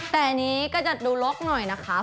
แต่อันนี้ก็จะดูลกหน่อยนะคะ